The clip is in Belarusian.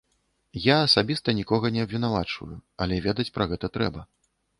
Я асабіста нікога не абвінавачваю, але ведаць пра гэта трэба.